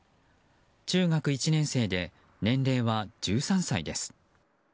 中学１年生で年齢は１３歳です。